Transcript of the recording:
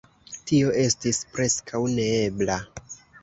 Tio estis preskaŭ neebla!